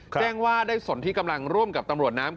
แจ้งว่าได้สนที่กำลังร่วมกับตำรวจน้ำ